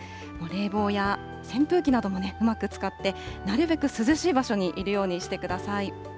冷房や扇風機などもうまく使って、なるべく涼しい場所にいるようにしてください。